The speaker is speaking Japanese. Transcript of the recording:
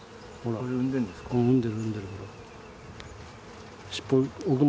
これ産んでるんですか？